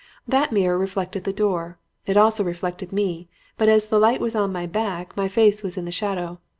That mirror reflected the door. It also reflected me, but as the light was on my back my face was in the shadow.